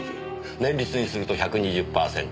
年率にすると１２０パーセント。